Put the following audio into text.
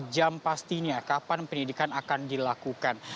jam pastinya kapan penyidikan akan dilakukan